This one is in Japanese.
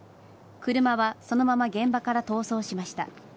車はそのまま現場から逃走しました。